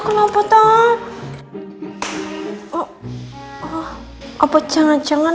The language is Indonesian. kau mau pergi kemana nih hari minggu